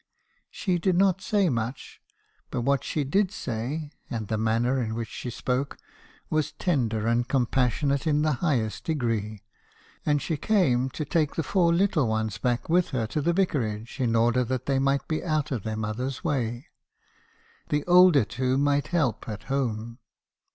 a She did not say much ; but what she did say, and the man ner in which she spoke, was tender and compassionate in the highest degree ; and she came to take the four little ones back with her to the Vicarage, in order that they might be out of their mother's way; the older two might help at home.